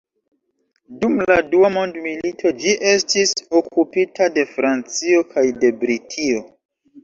Dum la dua mondmilito ĝi estis okupita de Francio kaj de Britio.